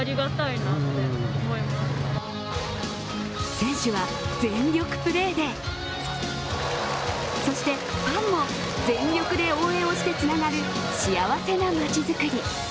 選手は全力プレーで、そして、ファンも全力で応援をしてつながる幸せな街づくり。